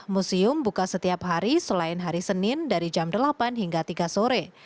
museum buka setiap hari selain hari senin dari jam delapan hingga tiga sore